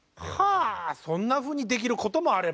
あそんなふうにできることもあれば。